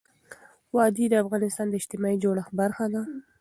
وادي د افغانستان د اجتماعي جوړښت برخه ده.